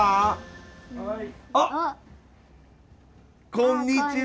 こんにちは。